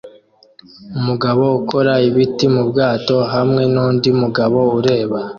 Umugabo ukora ibiti mubwato hamwe nundi mugabo ureba